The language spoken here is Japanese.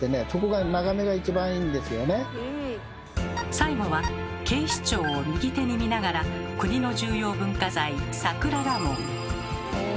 最後は警視庁を右手に見ながら国の重要文化財桜田門。